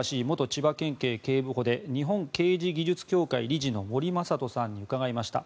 千葉県警警部補で日本刑事技術協会理事の森雅人さんに伺いました。